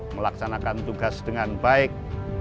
melaksanakan tugas dengan baik